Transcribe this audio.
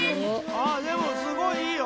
でもすごいいいよ！